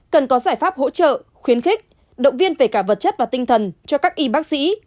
cần có giải pháp hỗ trợ khuyến khích động viên về cả vật chất và tinh thần cho các y bác sĩ